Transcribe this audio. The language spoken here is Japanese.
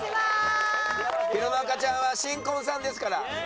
弘中ちゃんは新婚さんですから。